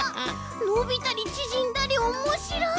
のびたりちぢんだりおもしろい！